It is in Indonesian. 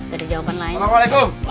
tapi dulu itu nih bang